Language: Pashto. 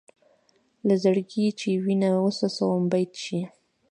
له زړګي چې وینه وڅڅوم بیت شي.